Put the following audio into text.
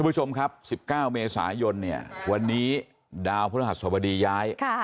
คุณผู้ชมครับ๑๙เมษายนเนี่ยวันนี้ดาวพฤหัสสบดีย้าย